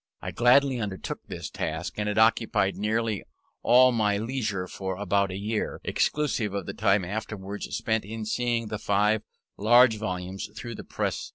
I gladly undertook this task, and it occupied nearly all my leisure for about a year, exclusive of the time afterwards spent in seeing the five large volumes through the press.